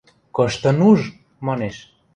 Кышты нуж?! – манеш.